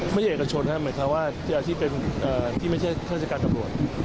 ไม่ใช่เอกชนหมายความว่าที่ไม่ใช่เครื่องจัดการกับรวม